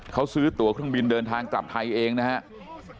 เขาซื้อตัวเครื่องบินเดินทางกลับไทยเองนะครับ